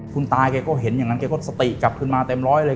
คุณตาแกก็เห็นอย่างนั้นแกก็สติกลับขึ้นมาเต็มร้อยเลย